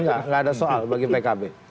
nggak ada soal bagi pkb